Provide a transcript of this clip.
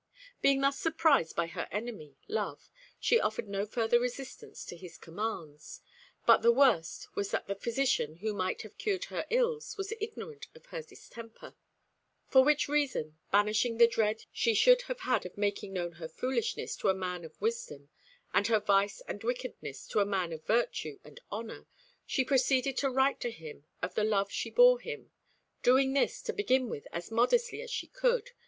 Being thus surprised by her enemy, Love, she offered no further resistance to his commands. But the worst was that the physician who might have cured her ills was ignorant of her distemper; for which reason, banishing the dread she should have had of making known her foolishness to a man of wisdom, and her vice and wickedness to a man of virtue and honour, she proceeded to write to him of the love she bore him, doing this, to begin with, as modestly as she could.